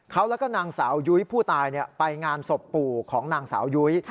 เขาแล้วก็นางสาวยุ้ยผู้ตายไปงานศพปู่ของนางสาวยุ้ย